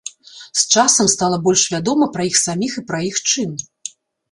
З часам стала больш вядома пра іх саміх і пра іх чын.